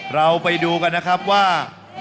เราไปดูกันนะครับว่า